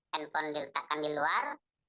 handphone diletakkan di luar